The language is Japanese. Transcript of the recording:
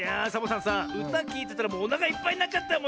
さうたきいてたらもうおなかいっぱいになっちゃったよ。